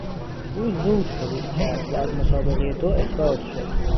او زود شروع کرد و از مسابقهی دو اخراج شد.